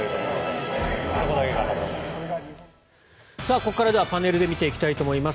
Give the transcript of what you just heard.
ここからはパネルで見ていきたいと思います。